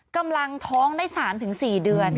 กำลังท้องได้๓๔เดือน